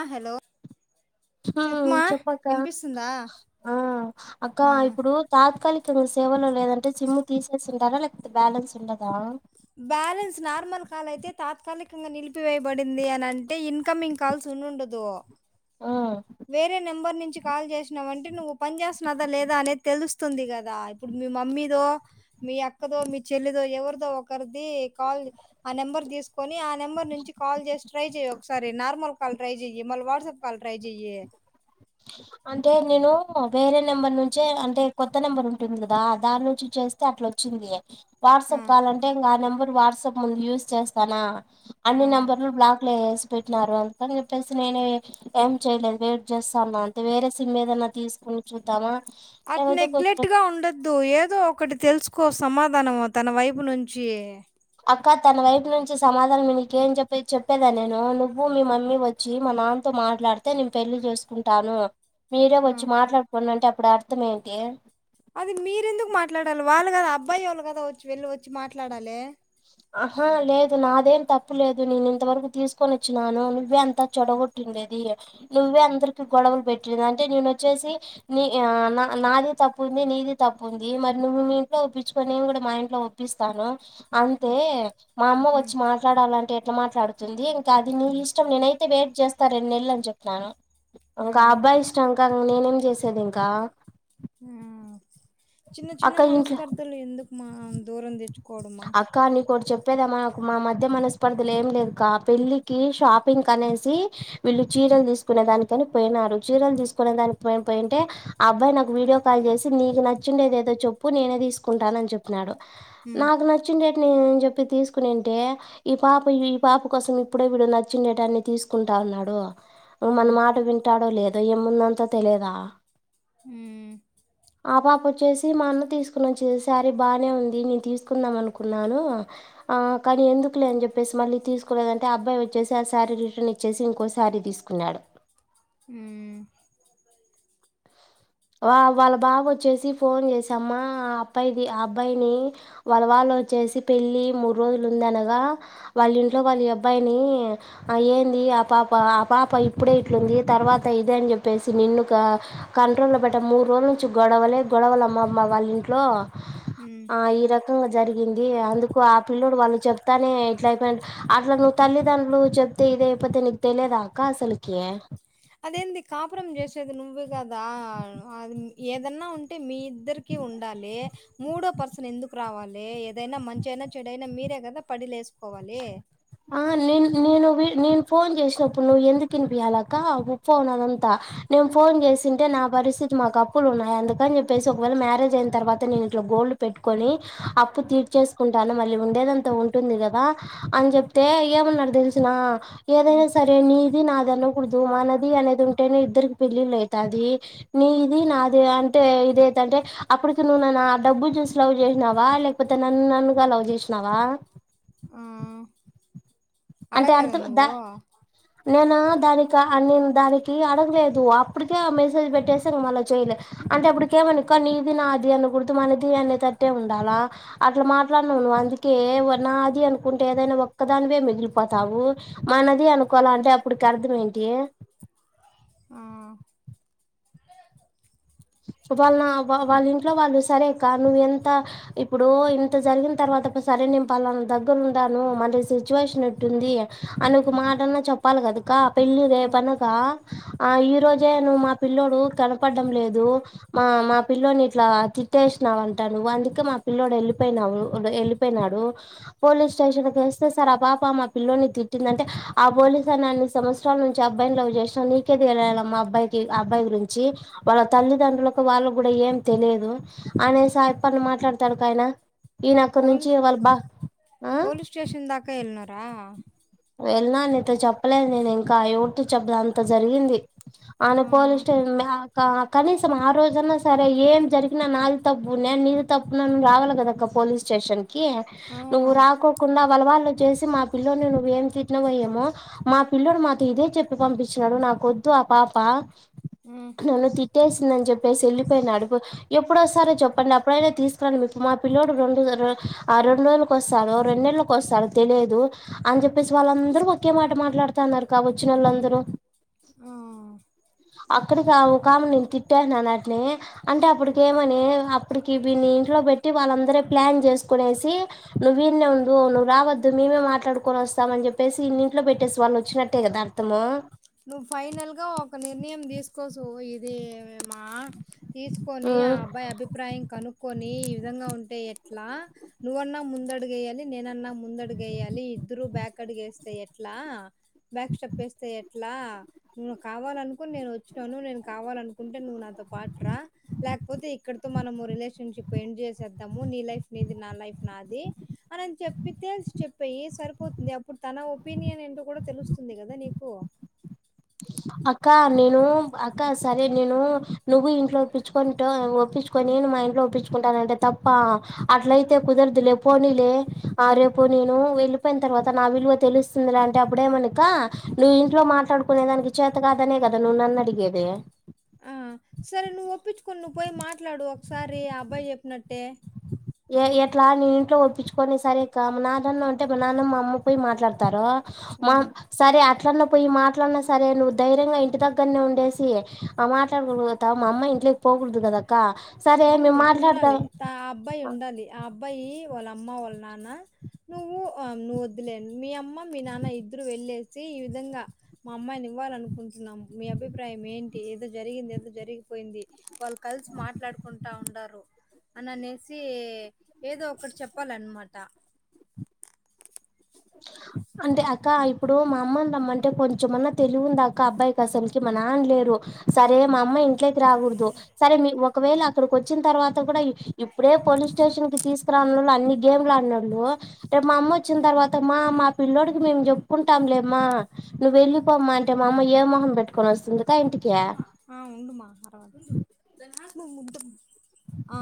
ఆ హలో ఉ చెప్మా చెప్పక్క వినిపిస్తుందా ఆ అక్క ఆ ఇప్పుడు తాత్కాలిక సేవలో లేదంటే సిమ్ము తీసేసింటారా లేకపోతే బ్యాలెన్స్ ఉండదా బ్యాలెన్స్ నార్మల్ కాల్ అయితే తాత్కాలికంగా నిలిపివేయబడింది అనింటే ఇన్కమింగ్ కాల్స్ ఉనుండదు హ్మ్. వేరే నెంబర్ నించి కాల్ చేసినాంనంతే అంటే నువ్వు పని చేేస్తున్నాదా లేదా అనేది తెలుస్తుంది కదా ఇప్పుడు మీ మమ్మీదో మీ అక్కదో మీ చెల్లిదో ఎవరిదో ఒకరు కాల్ ఆ నెంబర్ తీసుకొని ఆ నెంబర్ నుంచి కాల్ చేసి ట్రై జెయ్యి ఒకసారి నార్మల్ కాల్ ట్రై జెయి మళ్ళీ వాట్సప్ కాల్ ట్రై జె జియ్యి అంటే నేను వేరే నెంబర్ నుంచే అంటే కొత్త నెంబర్ ఉంటుంది కదా దాని నుంచి చేస్తే అట్లా వచ్చింది ఆ వాట్సాప్ కాల్లంటే ఇకా ఆ నెంబర్ వాట్సాప్ ముందు యూజ్ చేస్తానా అన్ని ఆ నెంబర్లు బ్లాక్ లో యేస్ పెట్టినారు అందుకని చెప్పేసి నేనే ఏం చేయలేదు వెయిట్ చేస్త త్తన్న అంతే వేరే సిమ్ ఏదన్నా తీసుకుొని చూద్దామా అటు లేకపోతే కొద్దిరో నెగ్లెక్ట్ గా ఉండద్దు ఏదో ఒకటి తెలుసుకోస్త సమాధానము తన వైపు నుంచి అక్క తన వైపు నుంచి సమాధానం నీక ఏం చెప్పే చెప్పేదా నేను నువ్వు మీ మమ్మీ వచ్చి మా నాన్నతో మాట్లాడితే నేను పెళ్లి చేసుకుంటాను మీరే ఉమ్ వచ్చి మాట్లాడుకు అంటే ఇప్పుడు అర్థం ఏంటి అది మీరెందుకు మాట్లాడాలి వాళ్ళు కదా అబ్బాయి వాళ్ళు కదా వచ్చ వెళ్ళి వచ్చి మాట్లాడాలి ఆహా లేదు నాదేం తప్పు లేదు నేను ఇంతవరకు తీసుకొని వచ్చినాను నువ్వే అంత చెడగొట్టిండేది నువ్వే అందరికి గొడవలు పెట్టేది అంటే నేను వచ్చేసి నీ ఆ నా నాది తప్పు ఉంది నీది తప్పు ఉంది మరి నువ్వు మీ ఇంట్లో ఒప్పించుకొ నేను గూడా మా ఇంట్లో ఒప్పిస్తాను. అంతే మా అమ్మ ఉమ్ వచ్చి మాట్లాడాలంటే. ఇట్ మాట్లాడుతుంది ఇంకా అది నీ ఇష్టం నేనైతే వెయిట్ చేస్తాను రెండు నెలలు అని చెప్పినాను కా ఉమ్ అబ్బాయి ఇష్టంకా నేనేం చేసేది ఇంకా ఆ చిన్న చిన్న అక్క ఇంట్లో మనస్పర్ధలు ఎందుకు మా దూరం తెచ్చు అక్క నీకోటి చెప్ ద మాకు మా మధ్య మనస్పర్ధలు ఏం లేదు అక్క పెళ్ళికి షాపింగ్ కనేసి వీళ్ళు చీరలు తీసుకునే దానికి అని పోయినారు చీరలు తీసుకునే దానికి పోయి పోయింటే ఆ అబ్బాయి నాకు వీడియో కాల్ చేసి నీకు నచ్చిండేది ఏదో చెప్పు నేనే తీసుకుంటాను అని చెప్పినాడు. ఉమ్ నాకు నచ్చిన డేట్ నేను ఏం చెప్ ఇప్పుడు తీసుకునింటే ఈ పాప ఈ పాప కోసం ఇప్పుడే వీడు నచ్చిండేటాన్ని తీసుకుంటా అన్నాడు. మన ఉమ్ మాట వింటాడో లేదో ఏ ముందంతా తెలిదా అ ఆ పాప వచ్చేసి మా అన్న తీసుకుని వచ్చిన శారీ బాగానే ఉంది నేను తీ కుందాం అనుకున్నాను ఆ కానీ ఎందుకులే అని చెప్పేసి మళ్ళీ తీసుకోలేదంటే ఆ అబ్బాయి వచ్చేసి ఆ శారీ రిటర్న్ ఇచ్చేసి ఇంకో శారీ తీసుకున్నాడు అ వాళ్ళ బాబు వచ్చేసి ఫోన్ చేసామ్మా ఆ అబ్బాయిది ఆ అబ్బాయిని వాళ్ళ వాళ్ళు వచ్చేసి పెళ్ళి మూడు రోజులు ఉంది అనగా వాళ్ళ ఇంట్లో వాళ్లు అబ్బాయిని ఏంది ఆ పాప ఆ పాప ఇప్పుడే ఇట్లుంది తర్వాత ఇద అని చెప్పేసి నిన్ను క పెట్ట మూడు రోజుల నుం గొడవలే గొడవలు అమ్మమ్మ వాళ్ళ ఇంట్లో ఉమ్. ఆ ఈ రకంగా జరిగింది అందుకు ఆ పిల్లోడు వాళ్ళు చెప్తానే ఇట్ల అయిపోయి అట్లా నువ్వు తల్లిదండ్రులు చెప్ ఇద లేకపోతే నీకు తెలీదా అక్క అసలుకి పురం చేసేది నువ్వే కదా అది ఏదన్నా ఉంటే మీ ఇద్దరికీ ఉండాలి మూడో పర్సన్ ఎందుకు రావాలి ఏదైనా మంచియినా చెడు అయినా మీరే కదా పడి లేసు ఆ నిన్ నేను నేను ఫోన్ చేసినప్పుడు నువ్వు ఎందుకు ఇనిపియాలక్క [unintelligible] అదంతా నేను ఫోన్ చేసింటే నా పరిస్థితి మాకు అప్పులు ఉన్నాయి అందుకని చెప్పేసి ఒకవేళ మ్యారేజ్ అయిన తర్వాత నేను ఇట్లా గోల్డ్ పెట్టుకొని అప్పు తీర్చేసుకుంటాను మళ్ళీ ఉండేదంతా ఉంటుంది కదా అని చెప్తే ఏమన్నారు తెలుసునా హ్మ్. ఏదైనా సరే నీది నాది అనకూడదు మనది అనేది ఉంటే నే ఇద్దరికి పెళ్ళిలు అయితాది నీది నాది అంటే దంటే అప్పటికి నువ్వు నన్ను ఆ డబ్బు చూసి లవ్ చేసినవా లేకపోతే నన్ను నన్నుగా లవ్ చేసినవా ఆ! అడగలేదా అర్థం దా నువ్వు నేను దానికి అని దానికి అడగలేదు అప్పటికే ఆ మెసేజ్ పెట్టేసి ఇంగ మళ్ళీ చేయలే అంటే అప్పటికీ ఏమనక్క నీది నాది అనకూడదు మనది అనేటట్టే ఉండాలా అట్లా మాట్లాడినవు నువ్ అందుకే నాది అనుకుంటే ఏదైనా ఒక్క దానివే మిగిలిపో పోతావు మనది అనుకోవాలి అంటే అప్పుడికి అర్థం ఏంటి ఆ వాళ్ళ వాళ్ళ ఇంట్లో వాళ్ళు సరేక్క నువ్వు ఎంత ఇప్పుడు ఇంత జరిగిన తర్వాత సరే నేను పలానా దగ్గర ఉన్నాను మళ్ళీ సిచ్యువేషన్ ఇట్టుంది అని ఒక మాటన్నా చెప్పాలి కదక్క. పెళ్ళు రే ఆ! పనక ఆ ఈ రోజే ను మా పిల్ల్లోడు కనపడడం లేదు మా మా పిల్లోని ఇట్లా తిట్టేసినావు అంటా నువ్వు అందుకే మా పిల్లోడు వెళ్ళిపోయినావు వెళ్ళిపోయినాడు పోలీస్ స్టేషన్కి వస్తే సార్ ఆ పాప మా పిల్లోని తిట్టింద అంటే ఆ బ పోలిస్నా అన్ని సంవత్సరాల నుంచి అబ్బాయిని లవ్ చేస్తుాని ది వెళ్ళాల మా అబ్బాయికి అబ్బాయి గురించి వాళ్ళ తల్లిదండ్రులకు వాళ్ళ కూడా ఏం తెలియదు అనే స ఎప్పని మాట్లాడతాడు కా ఆయన ఈయన అక్కడి నుంచి పోలీస్ వాళ్ళు బా త వెళ్ినా నీతో చెప్పలేదు నేను ఇంకా ఎయువత చెదు అంత జరిగింది అన ఆ! పోలిస్ట కనీసం ఆ రోజన్నా సరే ఏం జరిగినా నాది తప్పు నేను నీది తప్పున్నాను రావాలి కదక్క పోలీస్ స్టేషన్ క ఆ! నువ్వు రాకకుడా పలవాళ్లు చేసి మా పిల్ల్లోని నువ్వేం చిన వయ్యమో మా పిల్లడు మాతో ఇదే చెప్పి పంపించినడు నాకొద్దు ఆ పాప హ్మ్. నన్న త ేసింద అని చెప్పేసి వెళ్ళిపోయింది అడు ఎప్పుడుొస్తారో చెప్పండి అప్పుడైనా తీసుకురాలి మీ మా పిలడు రెండు ఆ రెండు రోజులకు వస్తాడు రెండు నెలలకు వస్తాో తెలియదు అని చెప్ప చెప్పేసి వాళ్ళందరూ ఒకే మాట మాట్లాడుతున్నారు కా వచ్చిన వాళ్ళందరూ ఆ అక్కడికి ఒక కామ నేను తిట్టేసా వాటిని అంటే అప్పడిక ఏమని అప్పటికిీన్ని ఇంట్లో పెట్టి వాళ్ళందర ప్లాన్ చేసుకునేసి నువ్వు వీళ్ే ఉంవును రావద్దు మేమే మాట్లాడుకొని వస్త వస్తా అని చెప్పేసి ఇన్నింట్లో పెట్టేసి వాళ్ళు వచ్చినట్టే కదా అర్థము నువ్వు ఫైనల్ గా ఒక నిర్ణయం తీసుకోసు ఇదిేమా తీసుకొని ఆ ఉమ్ అబ్బాయి అభిప్రాయం కనుక్కొని నిజంగా ఉంటే ఎట్లా నువ్వన్నా ముందడుగు వయాలి నేనన్నా ముందడుగు వేయ్యాలి ఇద్దరు బ్యాక్ అడిగ వేస్తే ఎట్లా బ్యాక్ స్టెప్ వేస్తే ఎ అట్లా నువ్ను కావాలనుకుని నేను వచ్చాను నేను కావాలనుకుంటే నువ్వు నాతో పాటు రా లేకపోతే ఇక్కడతో మనము రిలేషన్షిప్ ఎండ్్ చేసేద్దాము నీ లైఫ్ నీది నా లైఫ్ నాది అనిని చెప్పి తేలిసి చెప్పేయి సరిపోతుంది అప్పుడు తన ఒపీనియన్ ఏంటో కూడా తెలుస్తుంది కదా నీకు అక్క నేను అక్క సరే నేను నువ్వు ఇంట్లో ఒప్పించుకుని ఒప్పించుకొని మా ఇంట్లో ఒప్పించుకుంటానంటే తప్ప అట్లయితే కుదరదు లేపోనీలే రేపు నేను వెళ్ళిపోయిన తర్వాత నా విలువ తెలుస్తుంది అంటే అప్పుడేమక నువ్వు ఇంట్లో మాట్లాడుకు ప ననకి చేతగా అదనే క అదను నన్న అడిగేదే ఆ సరే నువ్వు ఒప్పించుకుని నువ్వు పోయి మాట్లాడు ఒకసారి అబ్బాయి చెప్పినట్టే ఏ ఎట్లా నీ ఇంట్లో ఒప్పించుకొని సరే ఇకా మా నాన్నన్న ఉంటే మా నాన్నమ్ మా అమ్మ పోయి మాట్లాడతారు మా హ్మ్. సరే అట్లాన్న పోయి మాట్లాడిన సరే నువ్వు ధైర్యంగా ఇంటి దగ్గరనే ఉండేసి మాట్లాడకూడగుతావు మా అమ్మ ఇంట్లోకి పోకూడదు కదక్క సరే మేము అవును. మాట్లాడతాం ఉండాలి. త ఆ అబ్బాయి ఉండాలి ఆ అబ్బాయి వాళ్ళ అమ్మ వాళ్ళ నాన్న నువ్వు నువ్వు వద్లే మీ అమ్మ మీ నాన్న ఇద్దరు వెళ్ళేసి ఈ విధంగా మా అమ్మాయిని ఇవ్వాలనుకుంటున్నాం మీ అభిప్రాయం ఏంటి ఏదో జరిగింది ఏదో జరిగిపోయింది వాళ్ళు కలిసి మాట్లాడు కుంటా ఉండరు అని అనేసి ఏదో ఒకటి చెప్పాలన్నమాట అంటే అక్క ఇప్పుడు మా అమ్మ రమ్మంటే కొంచెమన్నా తెలివి ఉందా అక్క అబ్బాయికి అసలుకి మా నానలేరు సరే మా అమ్మయి ఇంట్లోకి రాకూడదు సరే మీ ఒకవేళ అక్కడికి వచ్చిన తర్వాత కూడా ఇప్పుడే పోలీస్ స్టేషన్ కి తీసుకురావన్నళ్ు అన్ని గేమ్లు ఆడినళ్ు రేపు మా అమ్మ వచ్చిన తర్వాత మా మా పిల్లోడికి మేము చెప్పుకుంటాం లేమ్మా నువ్వు వెళ్ళిపోమ్మా అంటే మా అమ్మ ఏ మొహం పెట్టుకొని వస్తుంది ఆ ఉండుమా తరవాత మ అ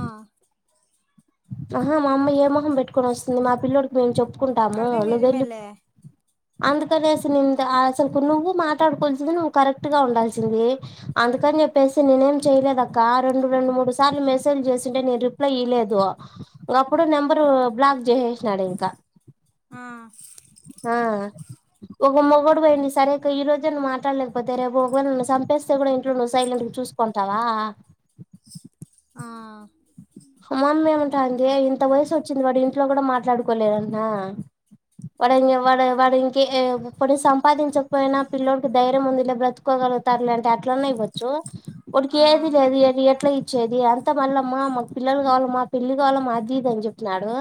అహా మామ్మ ఏమ పెట్టుకొని వస్తుంది మా పిల్లడికి మేము చెప్పుకుంటాము అది నువ్వ వెళ్ళి నిజమేలే. అందుకని అసలు అసలు నువ్వు మాట్లాడుకోవాల్సింది నువ్వు కరెక్ట్ గా ఉండాల్సింది అందుకని చెప్పేసి నేనే ఏం చేయలేదుక్క రెండు రెండు మూడు సార్లు మెసేజ్ చేసింటే నేను రిప్లై ఇయ్వలేదు ఒక అప్పుడు నెంబరు బ్లాక్ చేససినాడు ఇంకా ఆ ఆ ఒక మొడు పోయిడి సరే ఈ రోజే నువ్వు మాట్లాడలేకపోతే రేపు ఒకవేళ నున్ను చంపేస్తే కూడా ఇంట్లో నువ్వు సైలెంట్ చూసుకుంటావా ఆ మామ్మ ఏమంటా అందిే ఇంత వయసు వచ్చింది వాడు ఇంట్లో కూడా మాట్లాడుకోలేరన్న వాడు వా వాడు ఇంకే పని సంపాదించకపోయినా పిల్ల్లోడికి ధైర్యం ఉంది బ్రతుకోగలుగుతారు లేంటే అట్లనే ఇవ్వచ్చు ఒకకి ఆ ఏదిలేదు ఎట్లా చేది అంత మళ్ళమ్మా పిల్లలు కావాల మా పెళ్ళి కావాల మా జీద అని చెప్తున్నాడు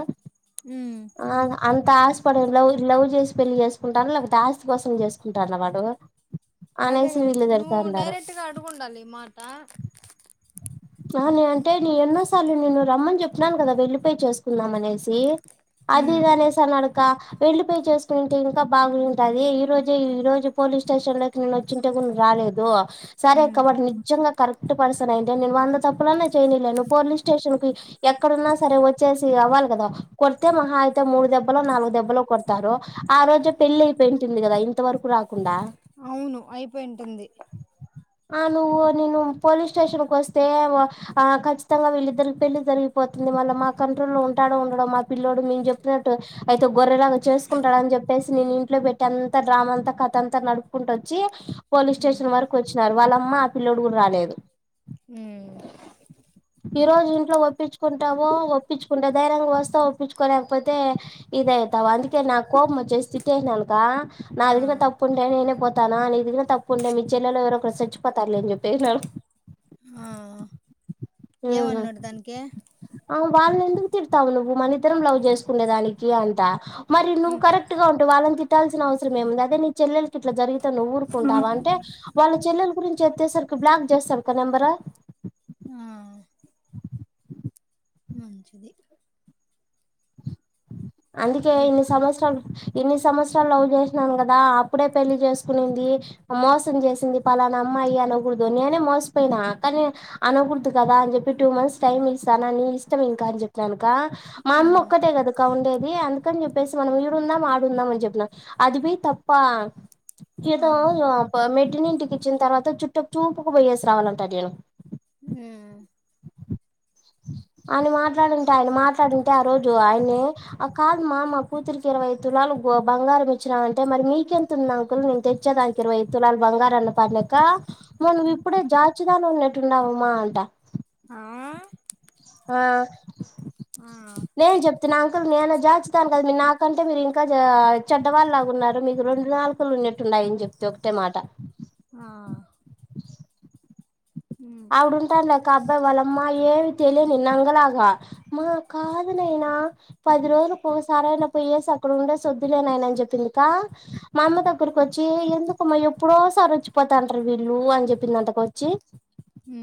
ఉమ్ ఆ అంత ఆస్పడ ్ లవ్ చేసి పెళ్లి చేసుకుంటాను లేకపోతే ఆస్తి కోసం చేసుకుంటారు అన్నమాటు అదే నువవు డైరెక్ట్గా అడుకండాలి మాట నను అంటే న ఎన్న అసలు నేను రమ్మని చెప్న్నాను కదా వెళ్లిపోయి చేసుకుందాం అనేసి ఉమ్ అదిగానేేస నడక పెళ్లి పయయి చేసుకుంటే ఇంకా బాగుంటుది ఈ రోజే ఈ రోజు పోలీస్ స్టేషన్ లోకి నేను వచ్చింటే గు రాలేదు సారే ఉమ్ కబర్ నిజంగా కరెక్ట్ పర్సన్ అయితే నేను వంద తప్పులనే చేయలేను పోలీ స్టేషన్ కి ఎక్కడన్నా సరే వచ్చేసి అవ్వాలి కదా కొడితే మహా అయితే మూడు దెబ్బలో నాలుగు దెబ్బలు కొడతారు ఆ రోజే పెళ్లిి అయిపోయింటుంది కదా ఇంత వరకు రాకుండా అవును అయిపోయింటుంది ఆ నువ్వు నేను పోలీస్ స్టేషన్ కు వస్తే ఆ ఖచ్చితంగా వెళి ఇద్దకి పెళ్లి జరిగిపోతుంది మళ్ళ మా కంట్రోల్లో లో ఉంటాడో ఉండడో మా పిల్లడు మేము చెప్తున్నట్టు అయితే గొర్రెలాగా చేసుకుంటాడ అని చెప్పేసి నేను ఇంట్లో పెట్టి అంతా డ్రామా అంతా కథ అంతా నడుపుకుంట వచ్చి పోలీస్ ఉమ్ స్టేషన్ వరకు వచ్చినారు వాళ్ళమ్మ ఆ పిల్ల్లోడు కూడా రాలేదు ఉమ్ ఈ రోజు ఇంట్లో ఒప్పించుకుంటావ ఒప్పించుకుంటా ధైర్యంగా వస్తా ఒప్పించుకోలేకపోతే ఇదవుతావు అందుకే నా కోపం వచ్చే స్థితి అయినానుక ఆ నాదిత తప్పు ఉంటే నేనే పోా తన అనే ఇదిిన తప్పు ఉండే మీ చెల్లెలో ఎవర ఒకరు చచ్చిపోతారులేని చెప్పే ఆ హ ఏమన్నాడు దానికి అ వాళ తిడతావు నువ్వు మ ఇతరం లవ్ చేసుకునే దానికి అంట మరి నువ్వు ఉమ్ కరెట్ గా ఉంట వాళని తిట్టాసిన అవసర ఏముంది అే నీ చెల్లకి ఇలారింది ఊరుకుంటా అంటే వాళ్ళ చెల్లెలు గురించి ఎత్తేసరికి బ్లాక్ చేస్తారు క నెంబరా ఆ మంచిది అందుకే ఇప్ ఇన్ని సంవత్సరాలు ఇన్ని సంవత్సరాలు లవ్ చేసినాను కదా అప్పుడే పెళ్లి చేసుకునింది మోసం చేసింది పలానా అమ్మాయి అనకూడదు నేనే మోసిపోయినా కానీ అనకూడదు కదా అని చెప్పి టూ మంత్స్ టైమ్ ఇస్తాను నీ ఇష్టం ఇంకా అని చెప్పినానుక మన ఆ మొక్క త కద బ ఉండేది అందుకని చెప్పేసి మనం ఈడుందాం ఆడుందాం అని చెప్పినం అది బ తప్ప ఇ ఆ మ ఇటిని ఇంటికి ఇచ్చిన తర్వాత చుట్ట చూపుకకు పోయేసి రావాలంటా నేను అ ఆయన మాట్లాడుంటే ఆయన మాట్లాడుంటే ఆ రోజు ఆయన్ని ఆ కాదమ్మా మా కూతురికి ఇరవై ఐదు తులాలు బంగారం ఇచ్చినా అంటే మరి మీకెంతతుంది అంకులు నేను తెచ్చాదిానికి ఇరవై ఐదు తులాలు బంగార అన్ని పనాక మళ్ళ ఇప్పుడే జా పచ్చిదనం ఉన్నట్టు ఉన్నావమ్మా అంట ఆ ఆ ఆ ఇ నా అంకులు నేను జాచుతాను కదా మీ నాకంటే మీరు ఇంకా చెడ్డవాళ్ళు లాగా ఉన్నారు మీకు రెండు నాలుకులు ఉన్నేట్టు ఉన్నాయ అని చెప్తే ఒకటే మాట ఆ ఉమ్ ఆవిడంటానులేక అబ్బాయి వాళ్ళమ్మా ఏమి తెలియని నంగలాగా మా కాదునైనా పది రోజులు పో సరయినా పోయేసి అక్కడ ఉండే సొద్దులేనయన అని చెప్పిందిక మా అమ్మ దగ్గరకి వచ్చి ఎందుకమ్మా ఎప్పుడోసారి వచ్చిపోతాంటారు వీళ్ళు అని చెప్పింది అంతకొచ్చి అ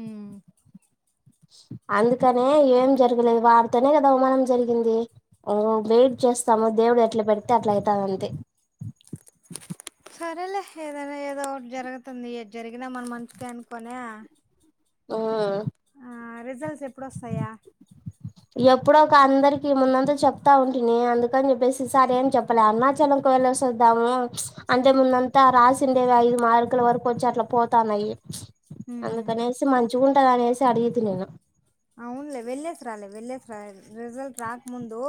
అందుకనే ఏం జరగలేదు వాడితోనే కదా అవమానం జరిగింది వెయిట్ చేస్తాము దేవుడు ఎట్లా పెడితే అట్లా అవుతంది అంతే సరేలే ఏదైనా ఏదో ఒకటి జరుగుతుంది ఏది జరిగినా మన మంచిగా అనుకునే ఆ ఆ రిజల్ట్స్ ఎప్పుడుొస్తాయా ఎప్పుడుో ఒక అందరికి ఉన్న అంత చెప్తా ఉంటంది అందుకని చెప్పేసి సరేం చెప్పలే అరుణాచలంకి వెళ్ళ వద్దాము అంతే ముందంతా రాసిండేవి ఐదు మార్కుల వరకు వచ్చి అట్లా పోతాన్నాయి హ్మ్ అందుకనేసి ము చూండగానయసి అడిగ అవునులే వెళ్లేేసి రాలే వెళ్లేేసరాల రిజల్ట్ రాకముందు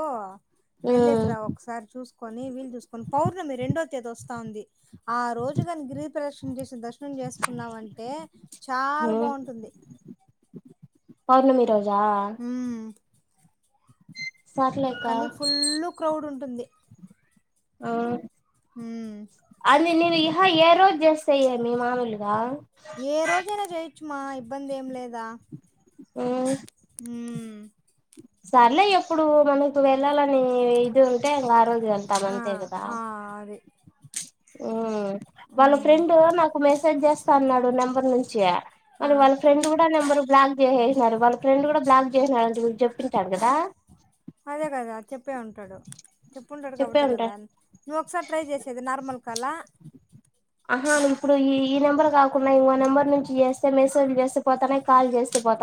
వెళ్లేస రా ఒకసారి చూసు కని వీళ్లుు చూసుకొని పౌర్ణమి రెండో తేదీ వస్తాంది ఆ రోజుగాని గిరి ప్రదర్ిన చే దర్శనం చేసుకున్నాంంటే చాలా బాగుంటుంది పార్లమె రోజా హ్మ్ సర్లే అక్క కానీ ఫుల్ క్రౌడ్ ఉంటుంది ఉంటుంది ఆ అందుే నవ ఏ రోజు చేస్తయ్యా మీ మామూలుగా ఏ రోజజనా చె ర్చు మా ఇబ్బంది ఏం లేదా ఓ హ సర్లే ఎప్పుడు మనకు వెళ్ళాలని ఇది ఉంటే ఆ రోజు ఇ ఆ అంటామంతే కదా ఆ అది ఉమ్ వాళ్ళ హ్మ్ ఫ్రెండ్ నాకు మెసేజ్ చేస్తా అన్నాడు నెంబర్ నుంచి జుచయా మరి ఆ వాళ్ళ ఫ్రెడ్ కూడా నెబరు బ్లాక్ సినారు వాళ్ళ ఫ్రెండ్ కూడా బ్లాక్ చేసినడు అంట గు చెప్పించాారు కదా అదే కదా చెప్పే ఉంటాడు చెప్పుంటాడు చెప్పే కాబట్టి కదా ఉంటాడు నువ్వు ఒకసారి ట్రై చేసేది నార్మల్ కలా ఆహా ఇప్పుడు ఈ ఈ నెంబర్ కాకుండా ఇంకో నెంబర్ నుంచి చేస్తే మెసేజ్ చేస్త పోతానే కాల్ చేస్త పోతాను